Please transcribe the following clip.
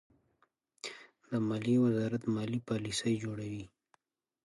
د مالیې وزارت مالي پالیسۍ جوړوي.